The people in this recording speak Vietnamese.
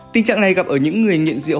tình trạng này gặp ở những người nghiện rượu